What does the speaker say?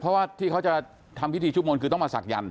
เพราะว่าที่เขาจะทำพิธีชุบมนคือต้องมาศักยันต